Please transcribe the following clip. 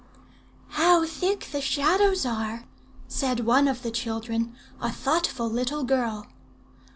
"'How thick the Shadows are!' said one of the children a thoughtful little girl.